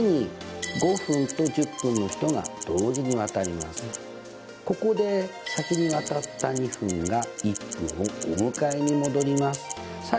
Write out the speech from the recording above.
そしてここで先に渡った２分が１分をお迎えに戻ります。